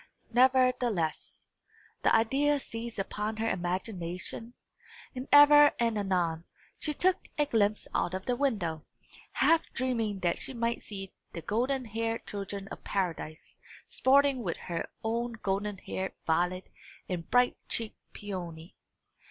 Nevertheless, the ideas seized upon her imagination; and ever and anon, she took a glimpse out of the window, half dreaming that she might see the golden haired children of paradise sporting with her own golden haired Violet and bright cheeked Peony.